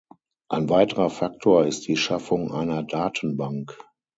Ein weiterer Faktor ist die Schaffung einer Datenbank.